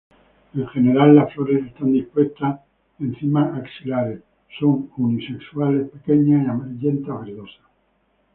En general, la flores están dispuestas en cimas axilares; son unisexuales, pequeñas y amarillenta-verdosas.